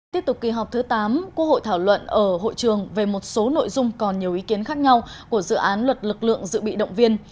tiếp tục kỳ họp thứ tám quốc hội thảo luận ở hội trường về một số nội dung còn nhiều ý kiến khác nhau của dự án luật lực lượng dự bị động viên